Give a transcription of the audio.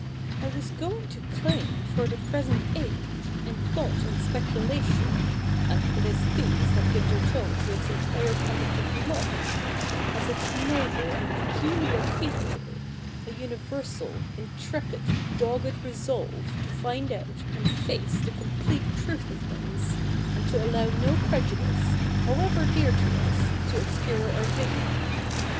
I was going to claim for the present age, in thought and speculation (and it is these that give their tone to its entire conduct of life), as its noble and peculiar feature, a universal, intrepid, dogged resolve to find out and face the complete truth of things, and to allow no prejudice, however dear to us, to obscure our vision.